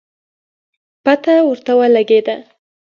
پته ورته ولګېده